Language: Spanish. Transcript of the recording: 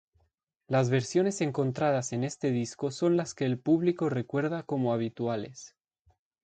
Las versiones encontradas en este disco son las que el público recuerda como habituales.